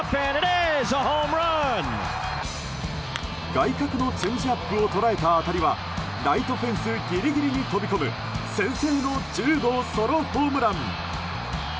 外角のチェンジアップを捉えた当たりはライトフェンスギリギリに飛び込む先制の１０号ソロホームラン。